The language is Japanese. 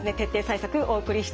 お送りしていきます。